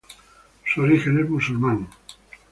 Su origen es musulmán.